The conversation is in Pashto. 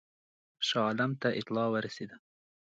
شاه عالم ته اطلاع ورسېده.